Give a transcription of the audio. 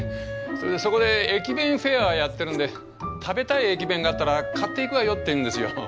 それでそこで駅弁フェアをやってるんで食べたい駅弁があったら買っていくわよって言うんですよ。